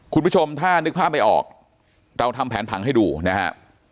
คุณผู้ชมถ้านึกภาพไม่ออกเราทำแผนผังให้ดูนะฮะ